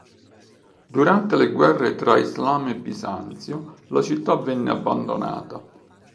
Durante le guerre tra Islam e Bisanzio, la città venne abbandonata.